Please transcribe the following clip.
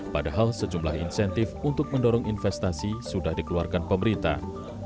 padahal sejumlah insentif untuk mendorong investasi sudah dikeluarkan pemerintah